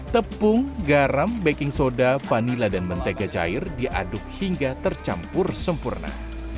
tepung garam baking soda vanila dan mentega cair diaduk hingga tercampur sempurna